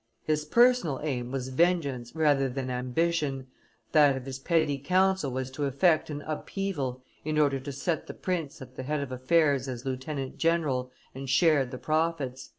His personal aim was vengeance rather than ambition, that of his petty council was to effect an upheaval in order to set the prince at the head of affairs as lieutenant general and share the profits."